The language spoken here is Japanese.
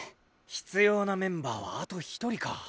必要なメンバーはあと１人か。